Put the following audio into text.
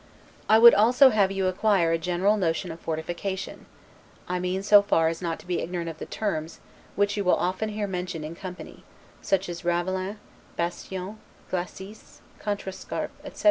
I would also have you acquire a general notion of fortification; I mean so far as not to be ignorant of the terms, which you will often hear mentioned in company, such as ravelin, bastion; glacis, contrescarpe, etc.